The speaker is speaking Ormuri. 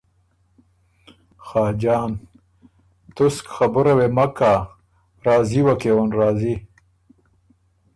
خاجان ـــ تُسک خبُره وې مک کَۀ، راضی وه کېون راضی